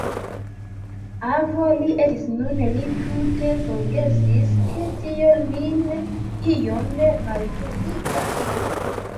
Avo li estis nun; li tute forgesis, ke tio lin iom maljunigas.